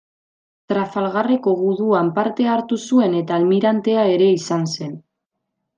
Trafalgarreko guduan parte hartu zuen eta almirantea ere izan zen.